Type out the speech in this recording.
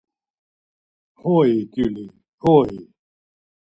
Hoi, gyuli hoi?